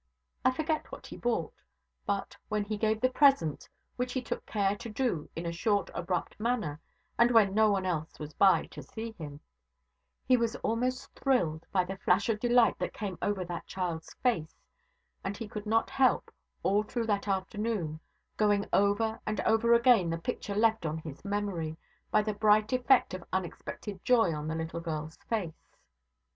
I forget what he bought; but, when he gave the present (which he took care to do in a short abrupt manner, and when no one was by to see him), he was almost thrilled by the flash of delight that came over that child's face, and he could not help, all through that afternoon, going over and over again the picture left on his memory, by the bright effect of unexpected joy on the little girl's face.